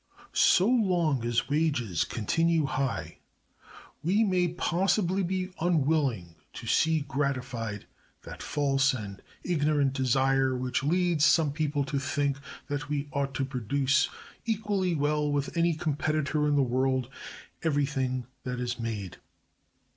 So long as wages continue high, we may possibly be unwilling to see gratified that false and ignorant desire which leads some people to think that we ought to produce, equally well with any competitor in the world, everything that is made.